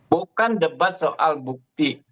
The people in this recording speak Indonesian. bukan debat soal bukti